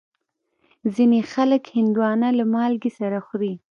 ځینې خلک هندوانه له مالګې سره خوري.